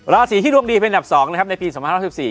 ราศีที่ดวงดีเป็นอันดับ๒นะครับในปี๒๐๑๔